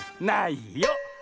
ないよ。